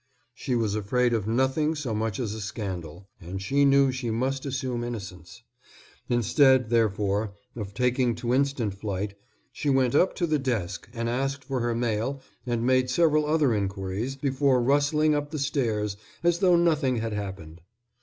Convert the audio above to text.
She was afraid of nothing so much as a scandal, and she knew she must assume innocence. Instead, therefore, of taking to instant flight, she went up to the desk and asked for her mail and made several other inquiries before rustling up the stairs as though nothing had happened.